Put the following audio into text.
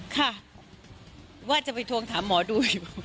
ค่ะว่าจะไปทวงถามหมอดู